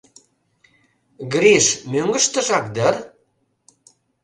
— Гриш мӧҥгыштыжак дыр?